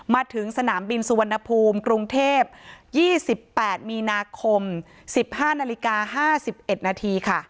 มาถึงสนามบินสุวรรณภูมิกรุงเทพยี่สิบแปดมีนาคมสิบห้านาฬิกาห้าสิบเอ็ดนาทีค่ะ